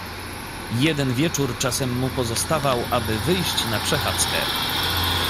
"Jeden wieczór czasem mu pozostawał, aby wyjść na przechadzkę."